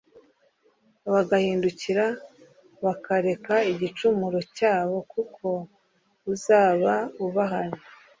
bagahindukira bakareka igicumuro cyabo kuko uzaba ubahannye